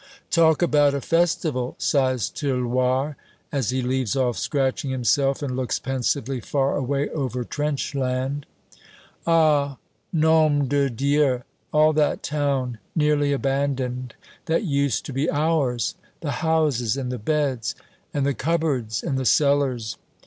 "Talk about a festival!" sighs Tirloir, as he leaves off scratching himself, and looks pensively far away over Trenchland. "Ah, nom de Dieu! All that town, nearly abandoned, that used to be ours! The houses and the beds " "And the cupboards!" "And the cellars!"